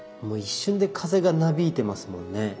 もう一瞬で風がなびいてますもんね。